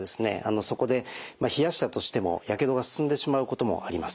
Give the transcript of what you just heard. そこで冷やしたとしてもやけどが進んでしまうこともあります。